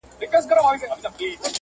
د کرکي پر ځای د درنښت